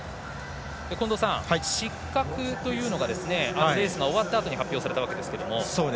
失格というのがレースが終わったあとに発表されたわけですが。